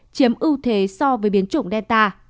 chiếm ưu thế so với biến chủng delta